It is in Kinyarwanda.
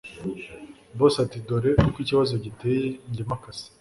Boss atidore uko ikibazo giteye jye mpa akazi